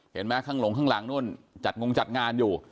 เห็นไหมข้างหลงข้างหลังนู่นจัดงงจัดงานอยู่